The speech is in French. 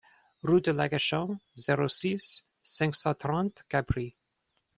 Rue de l'Agachon, zéro six, cinq cent trente Cabris